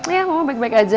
ya mama baik baik aja